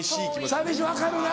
寂しい分かるな。